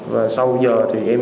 và sau giờ thì em